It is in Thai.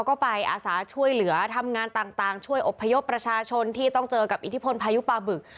ก็ไปอาสาช่วยเหลือทำงานต่างช่วยอบพยพประชาชนที่ต้องเจอกับอิทธิพลพายุปลาบึก